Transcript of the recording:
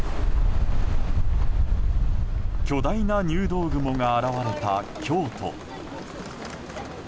巨大な入道雲が現れた京都。